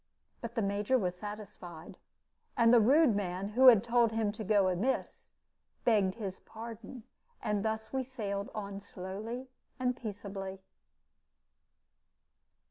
But the Major was satisfied, and the rude man who had told him to go amiss, begged his pardon, and thus we sailed on slowly and peaceably.